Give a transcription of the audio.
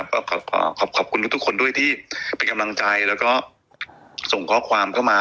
ก็ขอขอบคุณทุกคนด้วยที่เป็นกำลังใจแล้วก็ส่งข้อความเข้ามา